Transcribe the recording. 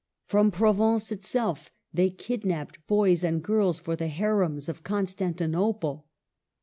From Provence itself they kidnapped boys and girls for the harems of Constantinople.